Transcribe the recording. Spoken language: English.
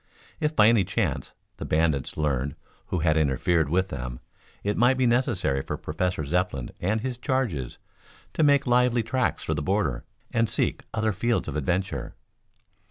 If, by any chance, the bandits learned who had interfered with them, it might be necessary for Professor Zepplin and his charges to make lively tracks for the border and seek other fields of adventure.